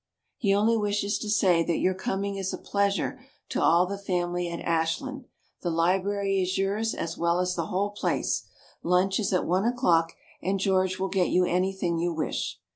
He only wishes to say that your coming is a pleasure to all the family at Ashland, the library is yours as well as the whole place, lunch is at one o'clock, and George will get you anything you wish.